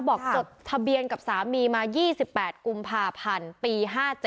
จดทะเบียนกับสามีมา๒๘กุมภาพันธ์ปี๕๗